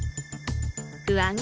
不安？